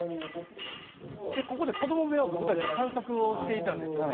ここで子ども部屋を僕たち散策をしていたんですね。